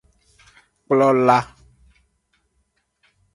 Kplola.